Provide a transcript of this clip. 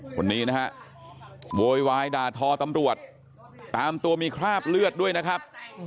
คนนี้นะฮะโวยวายด่าทอตำรวจตามตัวมีคราบเลือดด้วยนะครับ